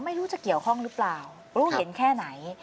ไม่รู้จะเกี่ยวข้องหรือเปล่ารู้เห็นแค่ไหน